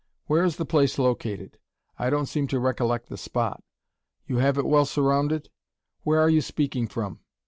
Where is the place located? I don't seem to recollect the spot. You have it well surrounded? Where are you speaking from?